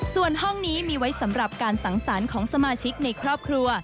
ส่วนห้องนี้มีไว้สำหรับการสังสรรค์ของสมาชิกในครอบครัว